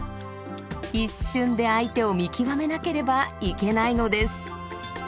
一瞬で相手を見極めなければいけないのです。